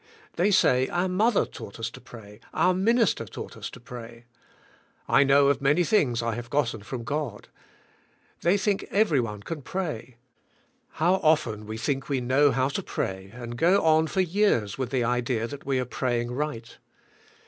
They say our mother taught us to pray, our minis ter taught us to pray. I know of many things I have gotten from God. They think every one can pray. How often we think we know how to pray, and go on for years with the idea we are praying right.